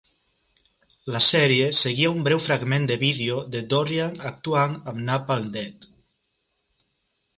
La sèrie seguia un breu fragment de vídeo de Dorrian actuant amb Napalm Death.